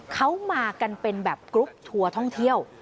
เขามากันเป็นแบบกรุ๊ปทัวร์ท่องเที่ยว